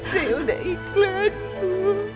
saya sudah ikhlas bu